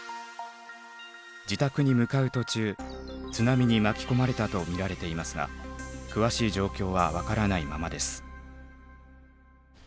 自宅に向かう途中津波に巻き込まれたと見られていますが詳しい状況は分からないままです。